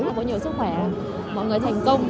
có nhiều sức khỏe mọi người thành công